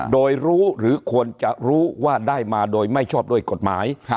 โดยรู้หรือควรจะรู้ว่าได้มาโดยไม่ชอบด้วยกฎหมาย